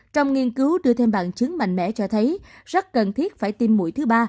trong nghiên cứu đưa thêm bằng chứng mạnh mẽ cho thấy rất cần thiết phải tiêm mũi thứ ba